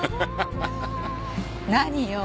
何よ？